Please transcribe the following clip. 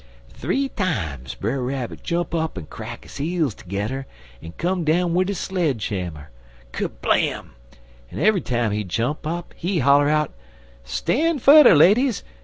Th'ee times Brer Rabbit jump up en crack his heels tergedder en come down wid de sludge hammer ker blam! en eve'y time he jump up, he holler out: "'Stan' fudder, ladies!